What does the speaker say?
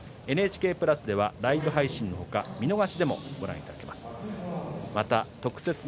ＮＨＫプラスではライブ配信の他見逃しでもご覧いただけます。